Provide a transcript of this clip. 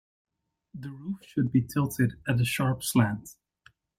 The roof should be tilted at a sharp slant.